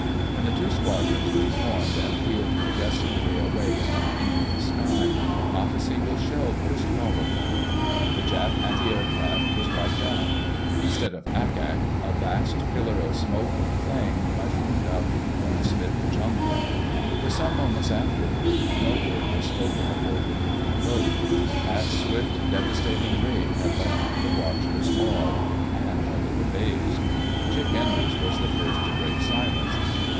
When the two squadrons re formed and wheeled majestically away into the evening sky, not a single shellburst followed them. The Jap antiaircraft was wiped out. Instead of ack ack a vast pillar of smoke and flame mushroomed up from the smitten jungle. For some moments afterward no word was spoken aboard the drifting boat. That swift, devastating raid had left the watchers awed, and a little dazed. Chick Enders was the first to break silence.